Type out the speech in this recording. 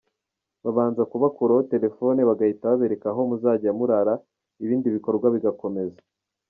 babanza kubakuraho telefone, bagahita babereka aho muzajya murara, ibindi bikorwa bigakomeza.